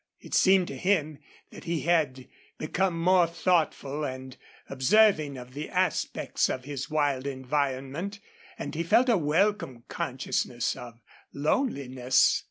It seemed to him that he had become more thoughtful and observing of the aspects of his wild environment, and he felt a welcome consciousness of loneliness.